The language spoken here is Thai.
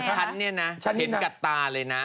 ฉันเนี่ยนะฉันเห็นกับตาเลยนะ